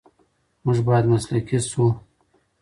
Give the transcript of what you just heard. موږ باید مسلکي شو.